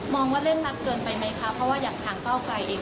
มองว่าเล่นนัดเกินไปไหมคะเพราะว่าอยากถั้งต้นกายเอง